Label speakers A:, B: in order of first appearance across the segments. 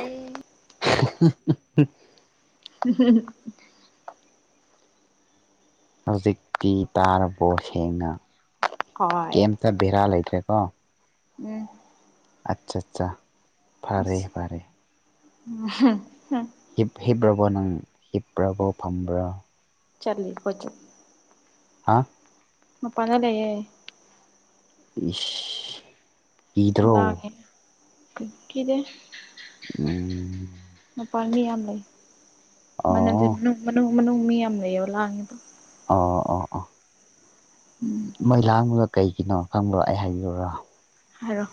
A: ꯑꯩ꯫
B: [unintelligible]
A: ꯎꯝ
B: ꯍꯧꯖꯤꯛꯇꯤ ꯇꯥꯔꯕꯣ ꯁꯦꯡꯅ꯫
A: ꯍꯣꯏ꯫
B: ꯀꯩꯝꯇ ꯕꯦꯔꯥ ꯂꯩꯇ꯭ꯔꯦꯀꯣ꯫
A: ꯎꯝ꯫
B: ꯑꯠꯆꯥ ꯑꯠꯆꯥ ꯐꯔꯦ ꯐꯔꯦ꯫
A: [unintelligible]
B: ꯍꯤꯕ꯭ꯔꯞ ꯅꯪ ꯍꯤꯕ꯭ꯔꯕꯣ ꯐꯕ꯭ꯔ
A: ꯆꯠꯂꯤꯈꯣꯏꯗꯤ
B: ꯍꯥꯥ
A: ꯃꯄꯥꯟꯗ ꯂꯩꯌꯦ
B: [unintelligible] ꯀꯤꯗ꯭ꯔꯣ
A: ꯂꯥꯛꯑꯦ ꯀꯤꯗꯦ꯫
B: ꯎꯝ
A: ꯃꯄꯥꯥꯟ ꯃꯤ ꯌꯥꯝ ꯂꯩ ꯃꯅꯜꯁꯦ
B: ꯑꯣ
A: ꯃꯅꯨꯡ ꯃꯅꯨꯡ ꯃꯅꯨꯡ ꯃꯤ ꯌꯥꯝ ꯂꯩꯕ ꯂꯥꯡꯌꯦꯕ꯫
B: ꯑꯣ ꯑꯣ ꯑꯣ
A: ꯎꯝ
B: ꯃꯣꯏ ꯂꯥꯡꯕꯗ ꯀꯩꯒꯤꯅꯣ ꯈꯪꯕ꯭ꯔꯣ ꯑꯩ ꯍꯥꯏꯕꯤꯌꯨꯔꯣ
A: ꯍꯥꯏꯔꯣ꯫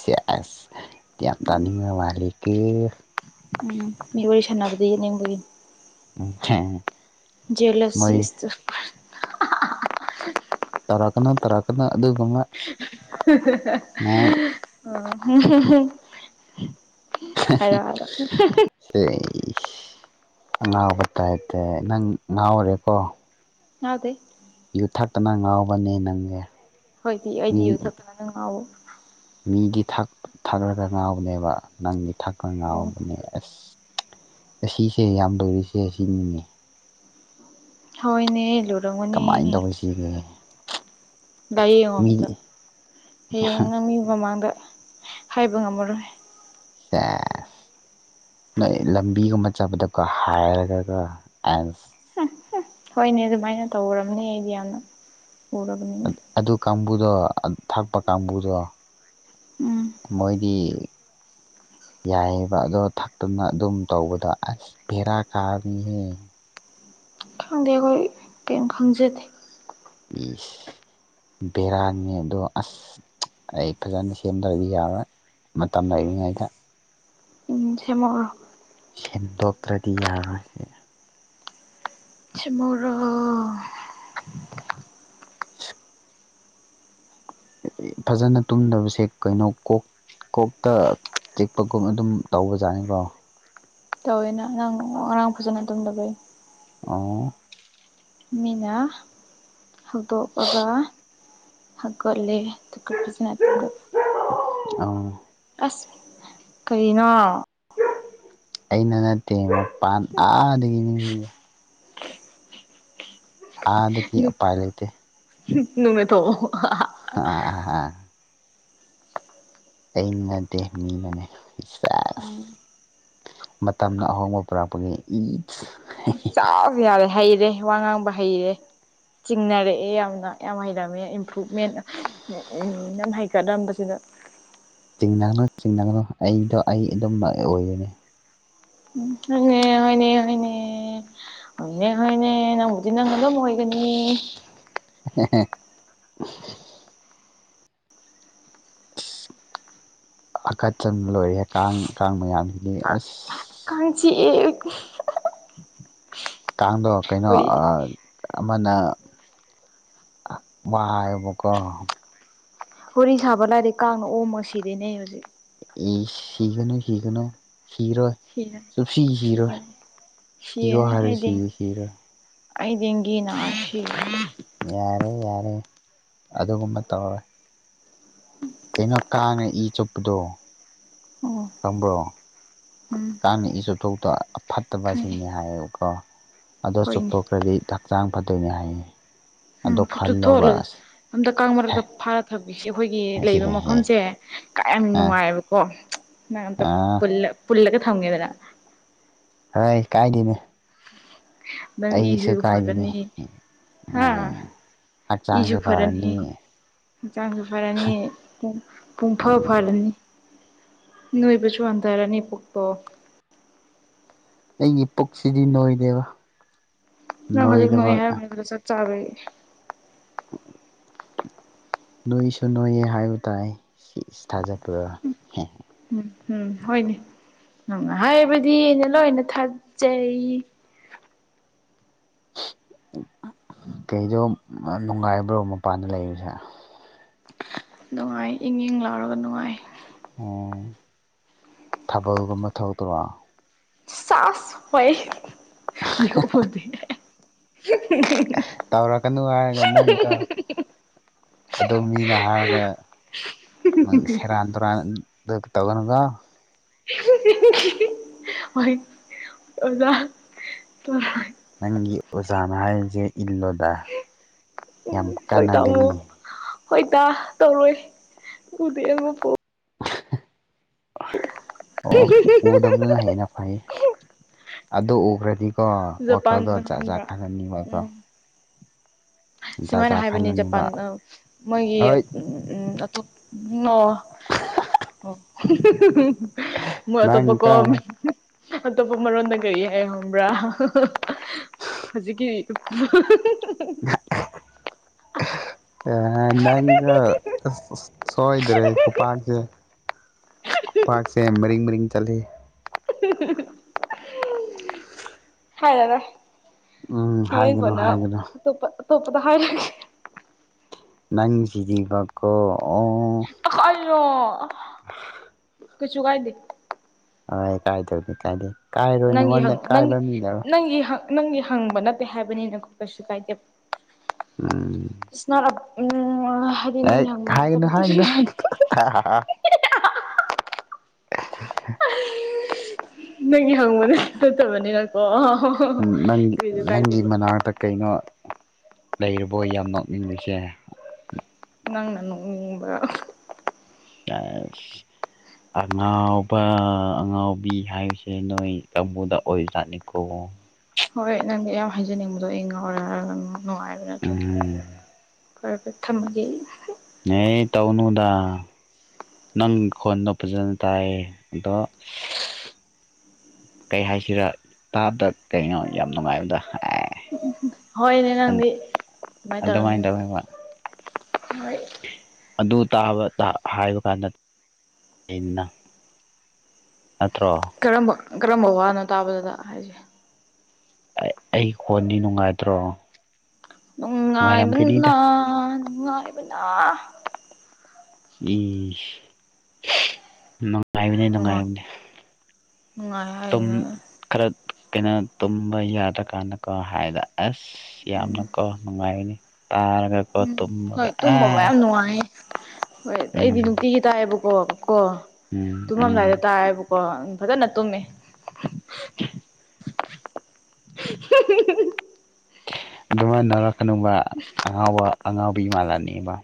B: ꯁꯦꯁ ꯌꯥꯝ ꯇꯥꯅꯤꯡꯕ ꯃꯜꯂꯤꯀꯣ꯫
A: ꯎꯝ ꯃꯤ ꯋꯥꯔꯤ ꯁꯥꯟꯅꯕꯗꯤ ꯌꯦꯠꯅꯤꯡꯕꯒꯤꯅꯤ꯫
B: [inaudible]
A: ꯖꯦꯂꯁꯤ
B: ꯃꯣꯏ
A: ꯏꯁꯇ
B: ꯇꯧꯔꯛꯀꯅꯣ ꯇꯧꯔꯛꯀꯅꯣ ꯑꯗꯨꯒꯨꯝꯕ ꯅꯪ
A: [inaudible] ꯍꯥꯏꯔꯣ ꯍꯥꯏꯔꯣ
B: [inaudible] ꯁꯦ ꯑꯉꯥꯎꯕ ꯇꯥꯏꯄꯇꯥ ꯅꯪ ꯉꯥꯎꯔꯦꯀꯣ
A: ꯉꯥꯎꯗꯦ꯫
B: ꯌꯨ ꯊꯛꯇꯅ ꯉꯥꯎꯕꯅꯦ ꯅꯪ
A: ꯍꯣꯏꯗꯤ ꯑꯩꯗꯤ ꯌꯨꯊꯛꯇꯅ ꯑꯗꯨ ꯉꯥꯎꯋ
B: ꯃꯤꯒꯤ ꯊꯥꯛꯂꯒ ꯉꯥꯎꯕꯅꯦꯕ ꯅꯪꯒꯤ ꯊꯥꯛꯄ
A: ꯑꯣ
B: ꯉꯥꯎꯕꯅꯦ ꯑꯁ ꯑꯁꯤꯁꯦ ꯌꯥꯝ ꯂꯨꯔꯤꯁꯦ ꯑꯁꯤꯅꯤꯅꯦ
A: ꯍꯣꯏꯅꯦꯂꯣꯏ
B: ꯀꯃꯥꯏꯅ ꯇꯧ ꯁꯤꯒꯦ
A: ꯗꯩꯌꯦ ꯑꯝꯇ ꯍꯌꯦꯢ ꯅꯪ ꯃꯤ ꯃꯥꯃꯡꯗ ꯍꯥꯏꯕ ꯉꯥꯝꯃꯔꯣꯏ꯫
B: [unintelligible] ꯅꯣꯏ ꯂꯝꯕꯤꯒꯨꯝꯕ ꯆꯠꯄꯗꯀꯣ ꯍꯥꯏꯔꯒꯒ ꯑꯦꯟꯁ
A: ꯍꯨꯝ ꯍꯨꯝ ꯍꯣꯏꯅꯦ ꯑꯗꯨꯃꯥꯏꯅ ꯇꯧꯔꯕꯅꯤ ꯑꯩꯗꯤ ꯌꯥꯝꯅ ꯎꯔ
B: ꯑꯗꯨ ꯀꯥꯡꯕꯨꯗꯣ ꯊꯛꯄ ꯀꯥꯡꯕꯨꯗꯣ
A: ꯎꯝ
B: ꯃꯣꯏꯗꯤ꯫ ꯌꯥꯏꯑꯕ ꯑꯗꯣ ꯊꯛꯇꯅ ꯑꯗꯨꯝ ꯇꯧꯕꯗꯣ ꯑꯁ ꯚꯦꯔꯥ ꯀꯥꯕꯅꯤꯍꯦ꯫
A: ꯈꯪꯗꯦ ꯑꯩꯈꯣꯏ ꯀꯔꯤꯝ ꯈꯪꯖꯗꯦ꯫
B: ꯄꯤꯁ ꯕꯦꯔꯥꯅꯤ ꯑꯗꯣ ꯑꯁ ꯑꯩ ꯐꯖꯅ ꯁꯦꯝꯗ꯭ꯔꯗꯤ ꯌꯥꯔꯣꯏ ꯃꯇꯝ ꯂꯩꯔꯤꯉꯩꯗ꯫
A: [unintelligible]
B: ꯍꯦꯟꯗꯣꯇ꯭ꯔꯗꯤꯌꯥ
A: [unintelligible]
B: [unintelligible] ꯐꯖꯅ ꯇꯨꯝꯗꯕꯁꯦ ꯀꯩꯅꯣ ꯀꯣꯛ ꯀꯣꯛꯇ ꯆꯤꯛꯄꯒꯨꯝ ꯑꯗꯨꯝ ꯇꯧꯕꯖꯥꯠꯅꯤꯀꯣ
A: ꯇꯧꯋꯦꯅ ꯅꯪ ꯉꯔꯥꯡ ꯐꯖꯅ ꯇꯨꯝꯗꯕꯩ
B: ꯑꯣ
A: ꯃꯤꯅꯥ ꯍꯧꯗꯣꯛꯑꯒ ꯍꯧꯒꯠꯂꯦ ꯑꯗꯨꯒ ꯐꯖꯅ ꯊꯤꯡꯒꯠꯄꯤ
B: ꯑꯥ
A: ꯑꯁ ꯀꯩꯅꯣ
B: ꯑꯩꯅ ꯅꯠꯇꯦ ꯃꯄꯥꯟ ꯑꯥꯗꯒꯤꯅꯤ ꯑꯥꯗꯒꯤ ꯎꯄꯥꯏ ꯂꯩꯇꯦ
A: [inaudible]
B: ꯑꯥ
A: ꯎꯝ
B: [unintelligible] ꯃꯇꯝꯅ ꯑꯍꯣꯡꯕ ꯄꯨꯔꯛꯄꯅꯤ ꯏꯁ
A: ꯆꯥꯎꯁꯨ ꯌꯥꯔꯦ ꯍꯩꯔꯦ ꯋꯥ ꯉꯥꯡꯕ ꯍꯩꯔꯦ ꯆꯤꯡꯅꯔꯛꯑꯦ ꯌꯥꯝꯅ ꯌꯥꯝ ꯍꯩꯔꯝꯃꯦ ꯏꯝꯄ꯭ꯔꯃꯦꯟ ꯌꯥꯝ ꯍꯩꯀꯠꯂꯝꯕꯁꯤꯗ
B: ꯆꯤꯡꯅꯥꯅꯣ ꯆꯤꯡꯅꯥꯅꯣ ꯑꯩꯗꯣ ꯑꯩ ꯑꯗꯨꯝꯃꯛ ꯑꯣꯏꯔꯤꯅꯤ
A: ꯍꯣꯏꯅꯦ ꯍꯣꯏꯅꯦ ꯍꯣꯏꯅꯦ ꯍꯣꯏꯅꯦ ꯍꯣꯏꯅꯦ ꯅꯪꯕꯨꯗꯤ ꯅꯪ ꯑꯗꯨꯝ ꯑꯣꯏꯒꯅꯤ
B: [unintelligible] ꯑꯁ ꯑꯀꯠꯆꯟꯕ ꯂꯣꯏꯔꯦ ꯀꯥꯡ ꯀꯥꯡ ꯃꯌꯥꯝꯁꯤꯅꯤ ꯑꯁ
A: ꯀꯥꯡ ꯆꯤꯛꯑꯦ
B: ꯀꯥꯡꯗꯣ ꯀꯩꯅꯣ
A: ꯋꯥꯔꯤ
B: ꯑꯥ ꯑꯃꯅ ꯋꯥꯑꯦꯕꯀꯣ
A: ꯋꯥꯔꯤ ꯁꯥꯕ ꯂꯥꯏꯔꯤ ꯀꯥꯡꯅ ꯑꯣꯝꯃꯥ ꯁꯤꯔꯦꯅꯦ ꯍꯧꯖꯤꯛ
B: ꯑꯦ ꯁꯤꯒꯅꯣ ꯁꯤꯒꯅꯣ ꯁꯤꯔꯣꯏ ꯁꯨꯡꯁꯤ
A: ꯁꯤꯔꯅꯤ
B: ꯁꯤꯔꯣꯏ
A: ꯁꯤꯒꯅꯤ
B: ꯁꯤꯔꯣ
A: ꯁꯤꯔꯅꯤ
B: ꯍꯥꯏꯔꯗꯤ ꯁꯤ
A: ꯑꯩ
B: ꯁꯤꯔꯣꯏ
A: ꯑꯩ ꯗꯤꯡꯒꯤ ꯅꯥꯔꯦ
B: ꯌꯥꯔꯦ ꯌꯥꯔꯦ ꯑꯗꯨꯒꯨꯝꯕ ꯇꯧꯔꯣꯏ [unintelligible]
A: ꯑꯣ ꯎꯝ ꯈꯪꯉꯦ
B: [unintelligible] ꯑꯗꯣ
A: ꯍꯣꯏꯅꯦ
B: ꯆꯨꯞꯊꯣꯛꯈ꯭ꯔꯗꯤ ꯍꯛꯆꯥꯡ ꯐꯗꯣꯏꯅꯤ ꯍꯥꯏꯌꯦ ꯑꯗꯣ ꯈꯜꯂꯣꯕ ꯑꯁ
A: [unintelligible] ꯊꯛꯁꯦ ꯑꯩꯈꯣꯏꯒꯤ
B: ꯍꯦ
A: ꯂꯩꯕ
B: ꯍꯦ ꯍꯦ
A: ꯃꯐꯝꯁꯦ ꯀꯌꯥꯝ
B: ꯑꯥ
A: ꯅꯨꯡꯉꯥꯏ ꯑꯕꯀꯣ ꯅꯪ ꯑꯝꯇ
B: ꯑꯥ
A: ꯄꯨꯜꯂꯒ ꯊꯝꯒꯦꯗꯅ
B: [unintelligible]
A: [unintelligible] ꯅꯪ
B: ꯑꯩꯁꯨ
A: ꯏꯁꯨ
B: ꯀꯥꯏꯗꯅꯤ
A: ꯐꯔꯅꯤ ꯍꯥ
B: ꯎꯝ
A: ꯏꯁꯨ ꯐꯔꯅꯤ ꯍꯟꯆꯥꯡꯁꯨ ꯐꯔꯅꯤ ꯄꯨꯡꯐꯥ
B: ꯎꯝ
A: ꯐꯔꯅꯤ ꯅꯣꯏꯕꯁꯨ ꯋꯥꯟꯊꯔꯅꯤ ꯄꯨꯛꯇꯣ
B: ꯑꯩꯒꯤ ꯄꯨꯛꯁꯤꯗꯤ ꯅꯣꯏꯗꯦꯕ
A: ꯅꯪ ꯍꯧꯖꯤꯛ
B: ꯅꯣꯏꯗꯕ
A: ꯅꯣꯏ ꯍꯥꯏꯕꯗꯣ ꯆꯞ ꯆꯥꯔꯅꯤ
B: ꯅꯣꯏꯁꯨ ꯅꯣꯏꯌꯦ ꯍꯥꯏꯕ ꯇꯥꯏ ꯁꯤ ꯊꯥꯖꯄ꯭ꯔꯥ
A: ꯎꯝ ꯎꯝ ꯍꯣꯏꯅꯦ ꯅꯪꯅ ꯍꯥꯏꯕꯗꯤ ꯑꯩꯅ ꯂꯣꯏꯅ ꯊꯥꯖꯩ
B: ꯀꯩꯅꯣ ꯌꯥꯝ ꯅꯨꯡꯉꯥꯏꯕ꯭ꯔꯣ ꯃꯄꯥꯟꯗ ꯂꯩꯔꯤꯁꯦ
A: ꯅꯨꯡꯉꯥꯏ ꯏꯪ ꯏꯪ ꯂꯥꯎꯔꯒ ꯅꯨꯡꯉꯥꯏ
B: ꯑꯣ ꯊꯥꯕꯜꯒꯨꯝꯕ ꯊꯧꯇꯔꯣ
A: ꯆꯁ ꯍꯣꯏ [unintelligible]
B: ꯇꯧꯔꯛꯀꯅꯨ ꯍꯥꯏꯔꯒ ꯅꯪꯀꯣ ꯑꯗꯨ ꯃꯤꯅ ꯍꯥꯏꯔ ꯒꯪ ꯁꯦꯔꯥꯟ ꯇꯨꯔꯥꯟ ꯑꯗꯨ ꯇꯧꯒꯅꯨꯀꯣ
A: [unintelligible] ꯍꯣꯢ ꯑꯣꯖꯥ
B: ꯅꯪꯒꯤ ꯑꯣꯖꯥꯅ ꯍꯥꯏꯔꯤꯁꯦ ꯏꯜꯂꯣꯗ ꯌꯥꯝ ꯀꯥꯟꯅꯒꯅꯤ
A: ꯍꯣꯏꯇꯥ ꯇꯧꯔꯣꯏ ꯎꯗꯤ ꯑꯃꯛꯀꯨ
B: [unintelligible] ꯑꯣ ꯎꯗ ꯑꯗꯨꯅ ꯍꯦꯟꯅ ꯐꯩ ꯑꯗꯨ ꯎꯈ꯭ꯔꯗꯤ ꯀꯣ ꯋꯥꯈꯜꯗꯣ
A: ꯖꯄꯥꯟꯗ
B: ꯖꯥꯠ ꯖꯥꯠ
A: ꯈꯪꯕ꯭ꯔꯥ
B: ꯈꯥꯍꯟꯅꯤꯡꯕꯀꯣ
A: ꯎꯝ ꯁꯨꯃꯥꯏꯅ ꯍꯥꯏꯕꯅꯤ ꯖꯄꯥꯟ
B: ꯈꯜꯂꯅꯤꯕ
A: ꯑ ꯃꯣꯏꯒꯤ
B: ꯍꯣꯏ
A: ꯎꯝ ꯎꯝ ꯑꯇꯣ ꯅꯣ ꯍꯨꯝ ꯍꯨꯝ ꯍꯨꯝ ꯍꯨꯝ [unintelligible] ꯃꯣꯏ ꯑꯇꯣꯞꯄ ꯀꯣ
B: ꯅꯪꯀꯣ
A: [unintelligible] ꯑꯇꯣꯞꯄ ꯃꯔꯣꯟꯗ ꯀꯔꯤ ꯍꯥꯏ ꯈꯪꯕ꯭ꯔꯥ [unintelligible] ꯍꯧꯖꯤꯛꯀꯤ [unintelligible]
B: [unintelligible] ꯑꯦ ꯅꯪꯒ ꯑꯁ ꯑꯁ ꯁꯣꯏꯗ꯭ꯔꯦ ꯈꯨꯄꯥꯛꯁꯦ ꯈꯨꯄꯥꯛꯁꯦ ꯃꯔꯤꯡ ꯃꯔꯤꯡ ꯆꯠꯂꯤ
A: [unintelligible] ꯍꯥꯏꯔꯔꯣꯢ
B: ꯎꯝ
A: ꯍꯣꯔꯦꯟ
B: ꯍꯥꯏꯒꯅꯨ
A: ꯀꯣꯟꯅ
B: ꯍꯥꯏꯒꯅꯨ
A: ꯑꯇꯣꯞꯄ ꯑꯇꯣꯞꯄꯗ ꯍꯥꯏꯔꯒꯦ
B: ꯅꯪꯁꯤꯗꯤꯕꯀꯣ ꯑꯣ
A: [unintelligible]
B: [unintelligible]
A: ꯀꯩꯁꯨ ꯀꯥꯏꯗꯦ
B: ꯍꯣꯏ ꯀꯥꯏꯗꯧꯅꯤ ꯀꯥꯏꯗꯦ ꯀꯥꯏꯔꯣꯏ
A: ꯅꯪꯒꯤ
B: ꯅꯉꯣꯟꯗ
A: ꯍꯪꯉꯨ ꯅꯪꯒꯤ
B: ꯀꯥꯏꯕ ꯃꯤ ꯂꯩꯔꯣꯏ
A: ꯅꯪꯒꯤ ꯍꯛ ꯅꯪꯒꯤ ꯍꯪꯕ ꯅꯠꯇꯦ ꯍꯥꯏꯕꯅꯤꯅꯣ ꯀꯩꯁꯨ ꯀꯥꯏꯗꯦꯕ
B: ꯎꯝ
A: ꯏꯁꯅꯝ ꯎꯝ ꯍꯥꯢ
B: ꯑꯦꯠ ꯍꯥꯏꯒꯅꯨ ꯍꯥꯏꯒꯅꯨ ꯍꯥꯏ [unintelligible]
A: [unintelligible] ꯅꯪꯒꯤ ꯍꯪꯕꯗ ꯐꯠꯇꯕꯅꯤꯅꯀꯣ ꯑ
B: ꯅꯪ ꯅꯪꯒꯤ ꯃꯅꯥꯛꯇ ꯀꯩꯅꯣ ꯂꯩꯔꯕꯣꯏ ꯌꯥꯝ ꯅꯣꯛꯅꯤꯡꯂꯤꯁꯦ
A: ꯅꯪꯅ ꯅꯣꯛꯅꯤꯡꯕ [unintelligible]
B: [unintelligible] ꯑꯉꯥꯎꯕ ꯑꯉꯥꯎꯕꯤ ꯍꯥꯏꯕꯁꯦ ꯅꯣꯏ ꯀꯥꯡꯕꯨꯗ ꯑꯣꯏꯕꯖꯥꯠꯅꯤꯀꯣ
A: ꯍꯣꯏ ꯅꯪꯗꯤ ꯌꯝ ꯍꯥꯏꯖꯅꯤꯡꯕꯗꯣ ꯑꯩ ꯉꯥꯎꯔ ꯍꯥꯢꯔꯒ ꯅꯪ ꯨꯡꯉꯥꯏꯕ ꯅꯠꯇ꯭ꯔꯦ
B: ꯎꯝ
A: ꯐꯔꯦ ꯐꯔꯦ ꯊꯝꯃꯒꯦ ꯑꯩ
B: ꯅꯦ ꯇꯧꯅꯨꯗ ꯅꯪ ꯈꯣꯟꯗꯣ ꯐꯖꯅ ꯇꯥꯏꯌꯦ ꯑꯗꯣ [unintelligible] ꯀꯩ ꯍꯥꯏꯁꯤꯔꯥ ꯇꯥꯕꯗ ꯀꯩꯅꯣ ꯌꯥꯝ ꯅꯨꯡꯉꯥꯏꯕꯗꯣ ꯑꯦ
A: ꯍꯣꯏꯅꯦ ꯅꯪꯗꯤ ꯀꯃꯥꯏꯅ ꯇꯧꯔꯅꯤ
B: ꯑꯗꯨꯃꯥꯏꯅ ꯇꯧꯋꯦꯕ
A: ꯍꯣꯏ
B: ꯑꯗꯨ ꯇꯥꯕ ꯇꯥ ꯍꯥꯏꯕ ꯀꯥꯟꯗ ꯑꯩꯅ ꯅꯠꯇ꯭ꯔꯣ
A: ꯀꯔꯝꯕ ꯀꯔꯝꯕ ꯋꯥꯅꯣ ꯇꯥꯕꯗꯨꯗ ꯍꯥꯏꯁꯦ
B: ꯑꯩ ꯀꯣꯟꯗꯤ ꯅꯨꯡꯉꯥꯏꯇ꯭ꯔꯣ
A: ꯅꯨꯡꯉꯥꯏꯕꯅ
B: ꯅꯨꯡꯉꯥꯏꯔꯝꯒꯅꯤꯗ
A: ꯅꯨꯡꯉꯥꯏꯕꯅ
B: ꯏꯁ [unintelligible] ꯅꯨꯡꯉꯥꯏꯕꯅꯤ
A: ꯅꯨꯡꯉꯥꯏ
B: ꯅꯨꯡꯉꯥꯏꯕꯅꯦ
A: ꯅꯨꯡꯉꯥꯏ
B: ꯇꯨꯝ
A: ꯍꯥꯏꯗꯨꯅ
B: ꯈꯔ ꯀꯩꯅꯣ ꯇꯨꯝꯕ ꯌꯥꯗ꯭ꯔꯀꯥꯟꯗ ꯀꯣ ꯍꯥꯏꯗ ꯑꯁ ꯌꯥꯝꯅꯀꯣ ꯅꯨꯡꯉꯥꯏꯅꯤ ꯇꯥꯔꯒꯀꯣ
A: ꯎꯝ
B: ꯇꯨꯝꯃꯒ
A: ꯍꯣꯏ ꯇꯨꯝꯕ ꯃꯌꯥꯝ
B: ꯑꯁ
A: ꯅꯨꯡꯉꯥꯏꯌꯦ ꯍꯣꯏ ꯑꯩꯗꯤ
B: ꯎꯝ
A: ꯅꯨꯡꯇꯤꯒꯤ ꯇꯥꯏꯑꯌꯦꯦꯕꯀꯣ ꯀꯣ
B: ꯎꯝ ꯎꯝ
A: ꯇꯨꯝꯃꯝꯗꯥꯏꯗ ꯇꯥꯏꯑꯦꯕꯣ ꯀꯣ ꯐꯖꯅ ꯇꯨꯝꯃꯦ
B: [unintelligible]
A: [unintelligible]
B: ꯑꯗꯨꯃꯥꯏꯅꯧꯔꯛꯀꯅꯕ
A: ꯎꯝ
B: ꯑꯉꯥꯎꯕ ꯑꯉꯥꯎꯕꯤ ꯃꯥꯂꯥꯅꯦꯕ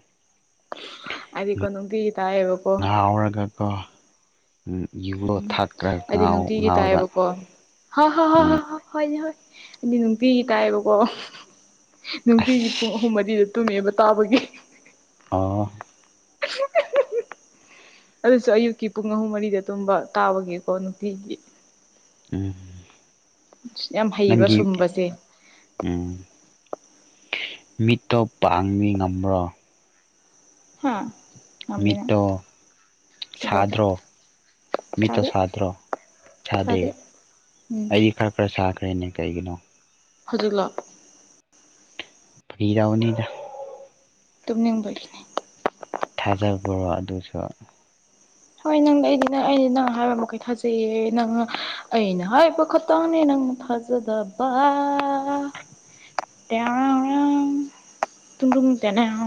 A: ꯑꯩꯗꯤꯀꯣ ꯅꯨꯡꯇꯤꯒꯤ ꯇꯥꯏꯌꯦ
B: ꯉꯥꯎꯔꯒꯀꯣ ꯌꯨꯂꯣ
A: ꯎꯝ
B: ꯊꯛꯈ꯭ꯔꯒ ꯉꯥꯎ ꯉꯥꯎꯗ
A: ꯍ ꯍꯣ ꯍ ꯍ ꯍꯣꯏꯅꯦ ꯍꯣꯏ ꯍꯥꯏꯗꯤ ꯅꯨꯡꯄꯤꯒꯤ ꯇꯥꯏꯕꯣꯀꯣ ꯅꯨꯡꯇꯤꯒꯤ
B: ꯑꯁ
A: ꯄꯨꯡ ꯑꯍꯨꯝ ꯃꯔꯤꯗ ꯇꯨꯝꯃꯦꯕ ꯇꯥꯕꯒꯤ
B: ꯑꯣ
A: ꯑꯗꯨꯁꯨ ꯑꯌꯨꯛꯀꯤ ꯄꯨꯡ ꯑꯍꯨꯝ ꯃꯔꯤꯗ ꯑꯗꯨꯝꯕ ꯇꯥꯕꯒꯀꯣ ꯅꯨꯄꯤꯒꯤ
B: ꯎꯝ
A: ꯌꯥꯝ ꯍꯩꯕ
B: ꯅꯪꯒꯤ
A: ꯁꯨꯝꯕꯁꯦ
B: ꯎꯝ ꯃꯤꯠꯇꯣ ꯄꯥꯡꯕꯤ ꯉꯝꯕ꯭ꯔꯣ
A: ꯍꯥꯥ
B: ꯃꯤꯣ ꯁꯥꯗ꯭ꯔꯣ ꯃꯤꯇꯣ
A: ꯊꯥꯗꯦ
B: ꯁꯥꯗ꯭ꯔꯣ ꯁꯥꯗꯦ
A: ꯊꯥꯗꯦ ꯎꯝ
B: ꯑꯩꯗꯤ ꯈꯔ ꯈꯔ ꯁꯥꯈ꯭ꯔꯦꯅꯦ ꯀꯩꯒꯤꯅꯣ
A: ꯍꯧꯖꯤꯜ ꯂꯥꯛ
B: ꯐꯤꯗ ꯎꯅꯤꯗ
A: ꯇꯨꯝꯅꯤꯡꯕꯈꯤꯅꯤ
B: ꯊꯥꯖꯕꯔꯣ ꯑꯗꯨꯁꯨ
A: ꯍꯣꯏ ꯅꯪ ꯑꯩꯗꯤ ꯑꯩꯗꯤ ꯅꯪ ꯍꯥꯏꯕ ꯃꯈꯩ ꯊꯥꯖꯩꯌꯦ ꯅꯪ ꯑꯩꯅ ꯍꯥꯏꯕ ꯈꯇꯪꯅꯦ ꯅꯪꯖ ꯗꯕꯥ
B: ꯅ
A: ꯇꯔ ꯑꯔ ꯇꯨꯡ ꯇ ꯇꯅꯦ ꯑ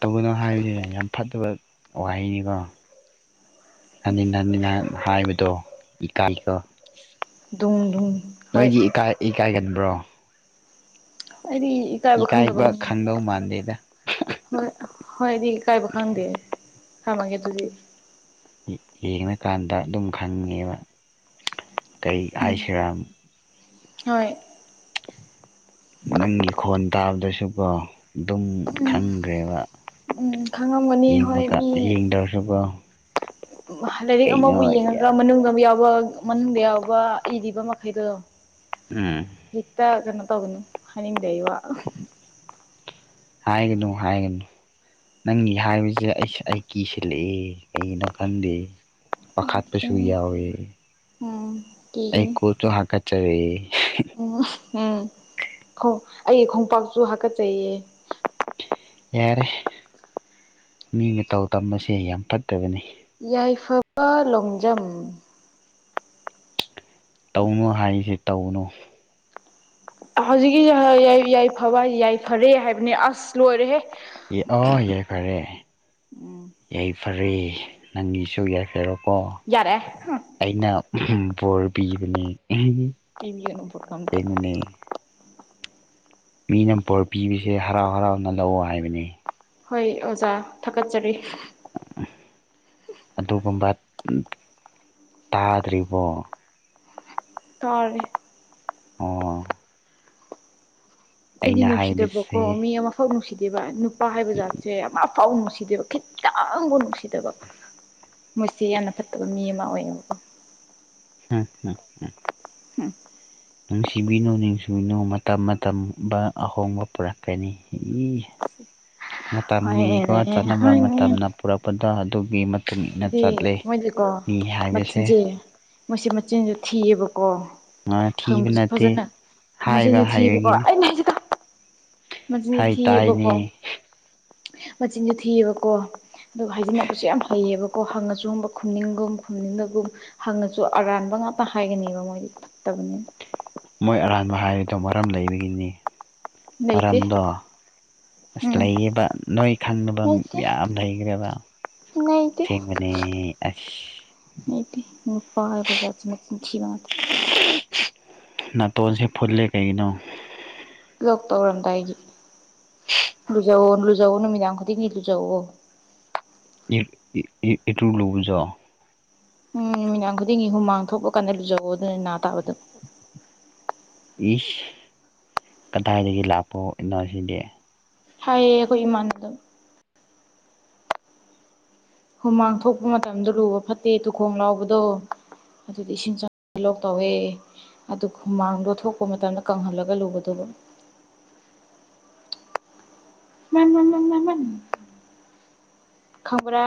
B: ꯇꯒꯅꯣ ꯍꯥꯏꯕꯗꯨꯅꯦ ꯌꯥꯝ ꯐꯠꯇꯕ ꯋꯥꯍꯩꯅꯤꯀꯣ ꯍꯅꯤ ꯍꯅꯤ ꯅꯍ ꯍꯥꯏꯕꯗꯣ ꯏꯀꯥꯏꯈꯣ
A: ꯗꯨꯡ ꯗꯨꯡ ꯍꯣꯏ
B: ꯅꯣꯏꯗꯤ ꯏꯀꯥꯏ ꯏꯀꯥꯏꯒꯕ꯭ꯔꯣ
A: ꯑꯗꯤ
B: ꯏꯀꯥꯏꯕ ꯈꯪꯗꯧ ꯃꯥꯟꯗꯦꯗ
A: ꯍꯣꯏ ꯍꯣꯏꯗꯤ ꯏ ꯀꯥꯏꯕ ꯈꯪꯗꯦ ꯈꯃꯒꯦ ꯑꯗꯨꯗꯤ
B: ꯌꯦꯡꯉꯀꯥꯟꯗ ꯑꯗꯨꯝ ꯈꯪꯉꯦꯕ ꯀꯩ
A: ꯎꯝ
B: ꯍꯥꯏꯁꯤꯔꯥꯝ
A: ꯍꯣꯏ
B: ꯅꯪꯒꯤ ꯈꯣꯟ ꯇꯥꯕꯗꯁꯨꯀꯣ ꯑꯗꯨꯝ ꯈꯪꯈ꯭ꯔꯦꯕ
A: ꯎꯝ ꯈꯪꯉꯝꯒꯅꯤ ꯍꯣꯏ
B: ꯌꯦꯡꯕ
A: ꯃꯤ
B: ꯌꯦꯡꯗ꯭ꯔꯁꯨꯀꯣ
A: ꯂꯥꯏꯔꯤꯛ ꯑꯃꯕꯨ
B: ꯀꯩꯅꯣ ꯌꯥꯝ
A: ꯌꯦꯡꯉꯒ ꯃꯅꯨꯡꯗ ꯌꯥꯎꯕ ꯃꯅꯨꯡꯗ ꯌꯥꯎꯕ ꯏꯔꯤꯕ ꯃꯈꯩꯗꯨꯣ
B: ꯎꯝ
A: ꯍꯠꯇ ꯀꯩꯅꯣ ꯇꯒꯅ ꯍꯥꯏꯅꯤꯡ ꯗꯩꯋꯥ
B: ꯍꯥꯏꯒꯅꯨ ꯍꯥꯏꯒꯅ ꯅꯪꯒꯤ ꯍꯥꯏꯕꯁꯦ ꯑꯩ ꯑꯩ ꯀꯤꯁꯤꯜꯂꯛꯑꯦ ꯀꯩꯒꯤꯅꯣ ꯈꯪꯗꯦ ꯄꯥꯈꯥꯠꯄꯁꯨ
A: ꯎꯝ
B: ꯌꯥꯎꯏ ꯑꯩ
A: ꯀꯤꯒꯅꯤ
B: ꯀꯣꯁꯨ ꯍꯥꯀꯠꯆꯔꯦ
A: ꯎꯝ ꯎꯝꯣꯡ ꯑꯩꯒꯤ ꯈꯣꯡꯄꯥꯛꯁꯨ ꯍꯥꯀꯠꯆꯩꯌꯦ
B: ꯌꯥꯔꯦ ꯃꯤ ꯃꯇꯧ ꯇꯝꯕꯁꯦ ꯌꯥꯝ ꯐꯠꯇꯕꯅꯤ
A: ꯌꯥꯏꯐꯕ ꯂꯣꯡꯖꯝ
B: ꯇꯧꯅꯨ ꯍꯥꯏꯔꯤꯁ ꯇꯧꯅꯨ
A: ꯍꯧꯖꯤꯛꯀꯤꯁ ꯌꯥꯏꯐꯕ ꯌꯥꯏꯐꯔꯦ ꯍꯥꯏꯕꯅꯦ ꯑꯁ ꯂꯣꯏꯔꯦꯍꯦ
B: ꯑꯦ ꯑꯣ ꯌꯥꯔꯦ ꯐꯔꯦ
A: ꯎꯝ
B: ꯌꯥꯏ ꯐꯔꯦ ꯅꯪꯒꯤꯁꯨ ꯌꯥꯏꯐꯔꯣꯀꯣ
A: ꯌꯥꯔꯦ
B: ꯑꯩꯅ ꯕꯣꯔ ꯄꯤꯕꯅꯦ
A: ꯏꯕꯤꯒꯅꯕꯨ ꯀꯗ
B: ꯑꯁꯦꯡꯕꯅꯦ ꯃꯤꯅ ꯄꯣꯔ ꯄꯤꯕꯁꯦ ꯍꯔꯥꯎ ꯍꯔꯥꯎꯅ ꯂꯧꯑꯣ ꯍꯥꯏꯕꯅꯤ
A: ꯍꯣꯏ ꯑꯣꯖꯥ ꯊꯥꯒꯠꯆꯔꯤ
B: ꯎ ꯑꯗꯨꯒꯨꯝꯕ ꯇꯥꯗ꯭ꯔꯤꯕꯣ
A: ꯍꯔꯤ
B: ꯑꯣ
A: ꯑꯗꯨꯗꯤ
B: ꯑꯩꯅ
A: ꯅꯨꯡꯁꯤꯗꯕꯀꯣ
B: ꯍꯥꯏꯕꯁꯦ
A: ꯃꯤ ꯑꯃꯐꯥꯎ ꯅꯨꯡꯁꯤꯗꯦꯕ ꯅꯨꯄꯥ ꯍꯥꯏꯕ ꯖꯥꯠꯁꯦ ꯑꯃꯐꯥꯎ ꯅꯨꯡꯁꯤꯗꯦꯕꯀ ꯈꯤꯇꯪꯕꯨ ꯅꯨꯡꯁꯤꯗꯕ ꯃꯣꯏꯁꯦ ꯌꯥꯝꯅ ꯐꯠꯇꯕ ꯃꯤ ꯑꯃ ꯑꯣꯏꯌꯦꯕꯀꯣ
B: ꯍ
A: ꯍꯝ
B: ꯅꯨꯡꯁꯤꯕꯤꯅꯨ ꯅꯤꯡꯁꯤꯕꯤꯅꯨ ꯃꯇꯝ ꯃꯇꯝ ꯑꯍꯣꯡꯕ ꯄꯨꯔꯛꯀꯅꯤ ꯏ ꯃꯇꯝꯒꯤꯀꯣ
A: ꯍꯣꯏꯅꯦ
B: ꯆꯥꯅꯕ ꯃꯇꯝꯅ ꯄꯨꯔꯛꯄꯗꯣ ꯑꯗꯨꯒꯤ ꯃꯇꯨꯡ ꯏꯟꯅ
A: ꯑꯗꯤ
B: ꯆꯠꯂꯦ
A: ꯃꯣꯏꯁꯦꯀꯣ
B: ꯃꯤ ꯍꯥꯏꯕꯁꯦ
A: ꯃꯆꯤꯟꯁꯦ ꯃꯣꯏꯁꯦ ꯃꯆꯤꯟꯖꯦ ꯊꯤꯌꯦꯕꯀꯣ
B: ꯉꯥ ꯊꯤꯕ
A: ꯍꯪꯕꯁꯨ
B: ꯅꯠꯇꯦ
A: ꯐꯖꯅ
B: ꯍꯥꯏꯕ
A: ꯃꯁꯤꯁꯨ ꯊꯤꯕꯀꯣ
B: ꯍꯩꯕꯒꯤꯅꯤ
A: ꯑꯩꯅ ꯃꯆꯤꯟꯁꯨꯦ
B: ꯍꯥꯏ ꯇꯥꯏꯅꯦ
A: ꯊꯤꯑꯕꯀꯣ ꯃꯆꯤꯟꯁꯨꯦ ꯊꯤꯕꯀꯣ ꯑꯗꯨꯒ ꯍꯥꯏꯖꯤꯟꯅꯕꯁꯨ ꯌꯥꯝ ꯍꯩꯌꯦꯕꯀꯣ ꯍꯪꯉꯁꯨ ꯍꯪꯕ ꯈꯨꯝꯅꯤꯡꯒꯨꯝ ꯈꯨꯝꯅꯤꯡꯕꯒꯨꯝ ꯍꯪꯅꯁꯨ ꯑꯔꯥꯟꯕ ꯉꯥꯛꯇ ꯍꯥꯏꯒꯅꯦꯕ ꯃꯣꯏꯗꯤ ꯐꯠꯇꯕꯅꯤ
B: ꯃꯣꯏ ꯑꯔꯥꯟꯕ ꯍꯥꯏꯔꯤꯗꯣ ꯃꯔꯝ ꯂꯩꯕꯒꯤꯅꯤ
A: ꯂꯩꯇꯦ
B: ꯃꯔꯝꯗꯣ ꯑꯁ
A: ꯎꯝ
B: ꯂꯩꯌꯦꯕ ꯅꯣꯏ ꯈꯪꯅꯕ
A: ꯂꯩꯇꯦ
B: ꯌꯥꯝ ꯂꯩꯈ꯭ꯔꯦꯕ
A: ꯂꯩꯇꯦ
B: ꯁꯦꯡꯕꯅꯤ ꯑꯁ
A: ꯑꯩ ꯄꯔꯕꯖ ꯊ
B: ꯅꯥꯇꯣꯟꯁꯦ ꯐꯨꯠꯂꯦ ꯀꯩꯒꯤꯅꯣ
A: ꯂ ꯇꯧꯔꯝꯗꯥꯏꯒꯤ ꯂꯨꯖꯧ ꯂꯨꯖꯧ ꯅꯨꯃꯤꯗꯥꯡ ꯈꯨꯗꯤꯡꯒꯤ ꯂꯨꯖꯋ
B: ꯇ ꯂꯣꯕꯖꯣ
A: ꯎꯝ ꯅꯨꯃꯤꯗꯥꯡ ꯈꯨꯗꯤꯡꯒꯤ ꯍꯨꯝ ꯃꯃꯥꯡ ꯊꯣꯛꯄ ꯀꯥꯟꯗꯨꯖꯧ ꯑꯗꯨꯅ ꯅꯥ ꯇꯥꯕꯗꯣ
B: ꯏꯁ ꯀꯗꯥꯏꯗꯒꯤ ꯂꯥꯛꯄ ꯏꯅꯎꯁꯤꯗꯤ
A: ꯍꯥꯏꯌꯦ ꯑꯩꯈꯣꯏ ꯏꯃꯥꯟꯗꯣ ꯍꯨꯃꯥꯡ ꯊꯣꯛꯄ ꯃꯇꯝꯗ ꯂꯨꯕ ꯐꯠꯇꯦ ꯇꯨꯈꯣꯡ ꯂꯥꯎꯕꯗꯣ ꯑꯗꯨꯗꯤ ꯏꯁꯤꯡ ꯆꯪ ꯂꯣꯛ ꯇꯧꯋꯦ ꯑꯗꯨ ꯍꯃꯥꯡꯗꯣ ꯊꯣꯛꯄ ꯃꯇꯝꯗ ꯀꯪꯍꯜꯂꯒ ꯂꯨꯕꯗꯨꯕ ꯃꯥꯟ ꯃ ꯃꯥꯟꯅ ꯃꯥꯟ ꯈꯪꯕ꯭ꯔꯥ